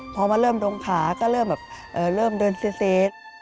พอมาเริ่มดงขาก็เริ่มเดินซี๊ด